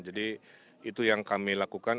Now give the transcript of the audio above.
jadi itu yang kami lakukan